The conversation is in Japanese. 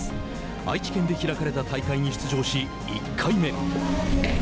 愛知県で開かれた大会に出場し１回目。